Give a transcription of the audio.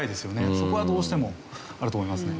そこはどうしてもあると思いますね。